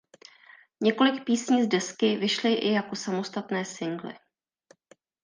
Několik písní z desky vyšly i jako samostatné singly.